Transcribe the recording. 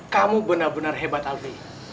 kamu benar benar hebat albi